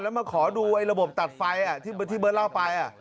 แล้วมาขอดูระบบตัดไฟที่เบิร์ตเล่าไป